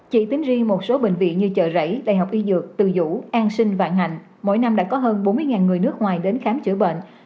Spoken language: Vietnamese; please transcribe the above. chỉ tính riêng một số bệnh viện như chợ rẫy đại học y dược từ vũ an sinh vạn ngành mỗi năm đã có hơn bốn mươi người nước ngoài đến khám chữa bệnh